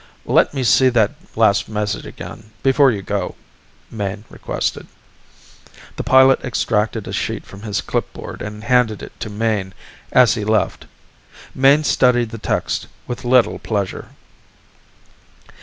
"Let me see that last message again, before you go," Mayne requested. The pilot extracted a sheet from his clipboard and handed it to Mayne as he left. Mayne studied the text with little pleasure.